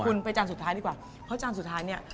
คุณไปจานสุดท้ายดีกว่าเพราะจานสุดท้ายเนี่ย